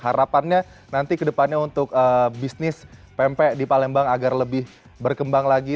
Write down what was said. harapannya nanti ke depannya untuk bisnis pempek di palembang agar lebih berkembang lagi